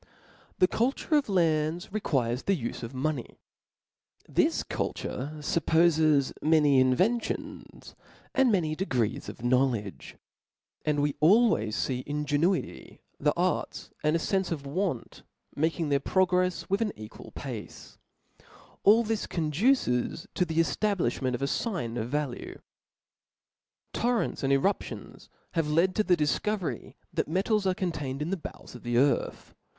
The culture of lands requires the ufe of money. This culture fuppofes many inventions and many de grees of knowledge 5 and we always fee ingenuity, X the O F L A W S. 4ir Xhe arts, and a fenre of w^nt, making their progrefs ^^jf with an equal pace, All this conduces to fhe efta Cbap, ^i^ blifliment of a fign of value. Torrents and eruptions * have made the difco very that metals are contained in the bowels of the earth.